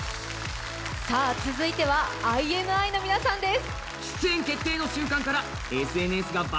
続いては、ＩＮＩの皆さんです。